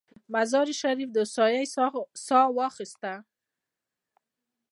شريف د هوسايۍ سا واخيستله.